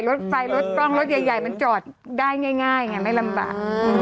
รถไฟรถกล้องรถใหญ่มันจอดได้ง่ายไงไม่ลำบาก